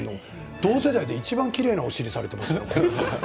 同世代でいちばんきれいなお尻をされていますよ。